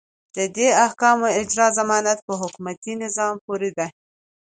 د دې احکامو اجرا ضمانت په حکومتي نظام پورې ده.